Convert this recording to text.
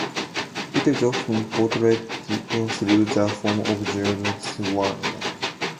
It is often portrayed through the form of Javanese Wayang.